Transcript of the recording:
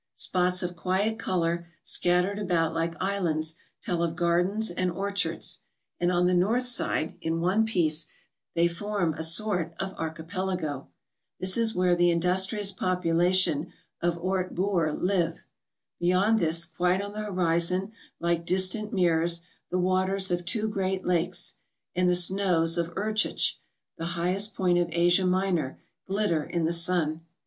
Spots of quiet colour scattered about like islands tell of gardens and orchards; and on the north side, in one place, they form a sort of archipelago. This is where the in¬ dustrious population of Orte Booi; live. Beyond this, quite on the horizon, like distant mirrors, the waters of two great lakes, and the snows of Erdchich, the highest point of Asia Minor, glitter in the sun.